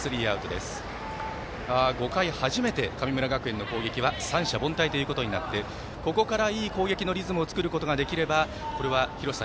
５回初めて神村学園の攻撃は三者凡退となってここからいい攻撃のリズムを作ることができればこれは廣瀬さん